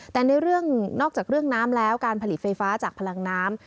แต่ในเรื่องนอกจากเรื่องน้ำแล้วการผลิตไฟฟ้าจากพลังน้ำ